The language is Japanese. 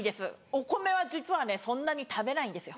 お米は実はねそんなに食べないんですよ。